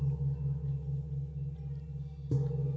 เกี่ยวกับคุณไทยหรือจังหญิงภูมิ